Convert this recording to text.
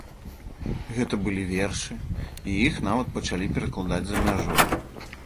Гэта былі вершы, і іх нават пачалі перакладаць за мяжой.